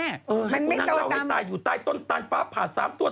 เออคุณนางเราให้ตายอยู่ใต้ต้นตาลฟ้าผ่า๓ตัว